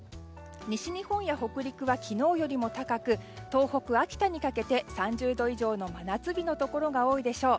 西日本や北陸は昨日よりも高く東北、秋田にかけて３０度以上の真夏日のところが多いでしょう。